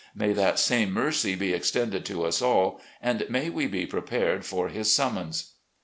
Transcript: May that same mercy be extended to us aU, and may we be prepared for His siunmons."